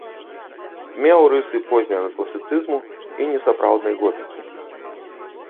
Меў рысы позняга класіцызму і несапраўднай готыкі.